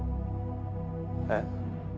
えっ？